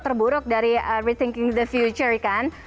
terburuk dari rethinking the future kan